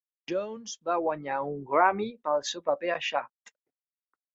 Jones va guanyar un Grammy pel seu paper a "Shaft".